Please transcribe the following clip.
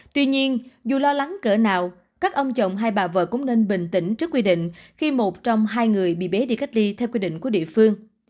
tuy nhiên dù lo lắng cỡ nào các ông chồng hay bà vợ cũng nên bình tĩnh trước quy định khi một trong hai người bị bế cách ly theo quy định của địa phương